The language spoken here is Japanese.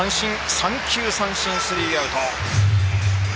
３球三振スリーアウト。